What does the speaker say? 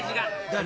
誰？